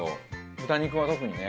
豚肉は特にね。